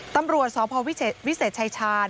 ตำรวจสพวิเศษชายชาญ